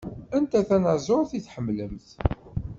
Anta tanaẓuṛt i tḥemmlemt?